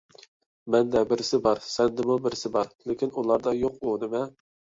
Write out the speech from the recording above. مەندە بىرسى بار، سەندىمۇ بىرسى بار، لېكىن ئۇلاردا يوق. ئۇ نېمە؟